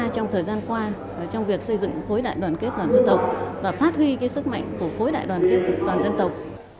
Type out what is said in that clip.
trong thời gian qua trong việc xây dựng khối đại đoàn kết toàn dân tộc và phát huy sức mạnh của khối đại đoàn kết toàn dân tộc